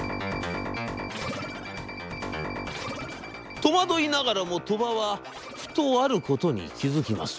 「とまどいながらも鳥羽はふとあることに気付きます。